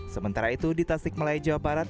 sementara itu di tasik malaya jawa barat